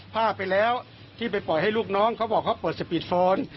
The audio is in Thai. ภาพไปแล้วที่ไปปล่อยให้ลูกน้องเขาบอกเขาเปิดสปีดโฟน